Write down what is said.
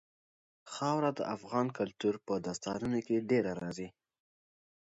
خاوره د افغان کلتور په داستانونو کې ډېره راځي.